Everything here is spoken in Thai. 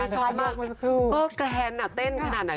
กระดูกเคลื่อนมาแล้ว